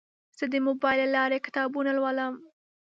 زه د موبایل له لارې کتابونه لولم.